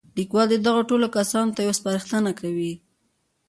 ليکوال دغو ټولو کسانو ته يوه سپارښتنه کوي.